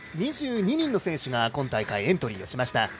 ２２人の選手が今大会にエントリーしました。